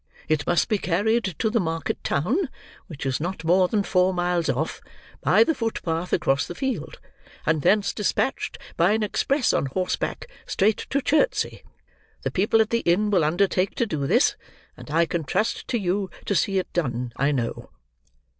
It must be carried to the market town: which is not more than four miles off, by the footpath across the field: and thence dispatched, by an express on horseback, straight to Chertsey. The people at the inn will undertake to do this: and I can trust to you to see it done, I know."